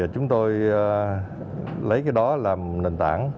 chúng tôi lấy cái đó làm nền tảng